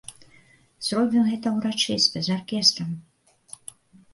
Зробім гэта ўрачыста, з аркестрам.